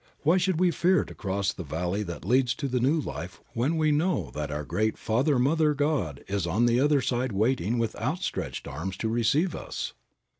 Why should we fear to cross the valley that leads to the new life when we know that our great Father Mother God is on the other side waiting with outstretched arms to receive us?